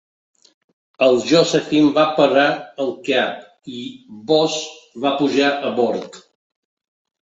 El Josephine va parar al cap i Boos va pujar a bord.